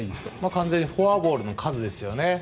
完全にフォアボールの数ですよね。